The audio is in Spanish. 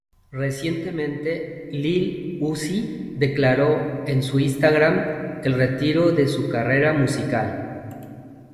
Recientemente, Lil Uzi declaró en su Instagram, el retiro de su carrera musical.